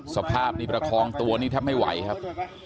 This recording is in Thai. สภาพนี้ประคองตัวนี้แทบไม่ไหวครับ